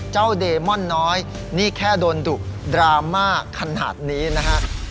เดมอนน้อยนี่แค่โดนดุดราม่าขนาดนี้นะฮะ